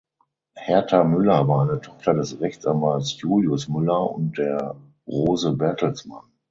Herta Müller war eine Tochter des Rechtsanwalts Julius Müller und der Rose Bertelsmann.